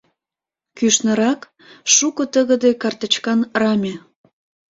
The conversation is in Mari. Кӱшнырак — шуко тыгыде картычкан раме.